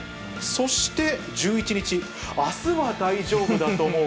そして１１日、あすは大丈夫だと思う。